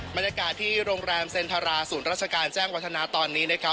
บรรยากาศที่โรงแรมเซ็นทราศูนย์ราชการแจ้งวัฒนาตอนนี้นะครับ